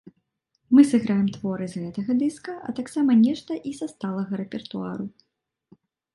Мы сыграем творы з гэтага дыска, а таксама нешта і са сталага рэпертуару.